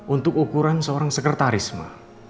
untuk ukuran seorang sekretaris ma